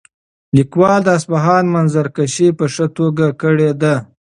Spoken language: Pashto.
لیکوال د اصفهان منظرکشي په ښه توګه کړې ده.